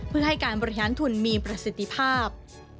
เพื่อให้การบริหารทุนมีประสิทธิภาพ